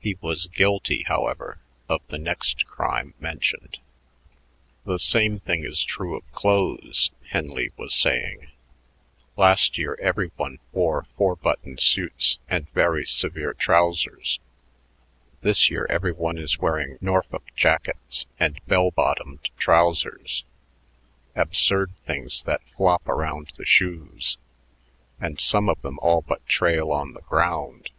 He was guilty, however, of the next crime mentioned. "The same thing is true of clothes," Henley was saying. "Last year every one wore four button suits and very severe trousers. This year every one is wearing Norfolk jackets and bell bottomed trousers, absurd things that flop around the shoes, and some of them all but trail on the ground.